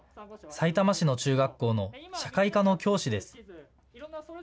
さいたま市の中学校の社会科の教師です。